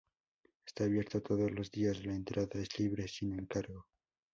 Está abierto todos los días, la entrada es libre sin cargo.